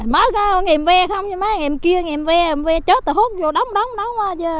má cái hùm em ve không cho má hùm em kia hùm em ve hùm em ve chết rồi hút vô đóng đóng đóng